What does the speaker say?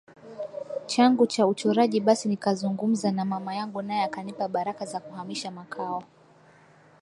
changu cha uchorajiBasi nikazungumza na mama yangu naye akanipa baraka za kuhamisha makao